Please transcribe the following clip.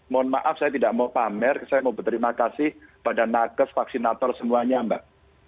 mohon maaf saya tidak mau pamer saya mau berterima kasih pada nages vaksinator semuanya mbak